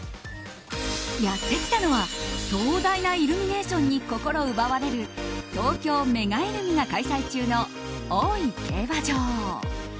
やってきたのは、壮大なイルミネーションに心奪われる東京メガイルミが開催中の大井競馬場。